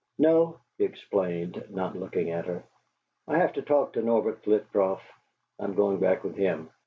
"No," he explained, not looking at her. "I have to talk with Norbert Flitcroft. I'm going back with him.